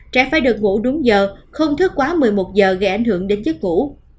trẻ phải được ngủ đúng giờ không thức quá một mươi một giờ gây ảnh hưởng đến chất ngủ